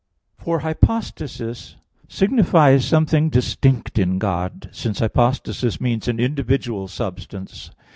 For hypostasis signifies something distinct in God, since hypostasis means an individual substance.